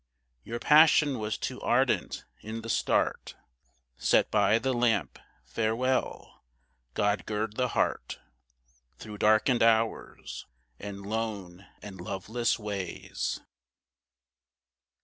Your passion was too ardent in the start Set by the lamp: farewell. God gird the heart Through darkened hours, and lone and loveless ways.